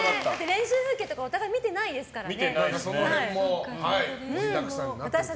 練習風景とかお互い見てませんからね。